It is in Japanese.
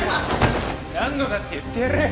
何度だって言ってやるよ